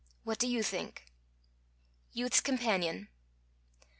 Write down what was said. What do you think?" _Youth's Companion.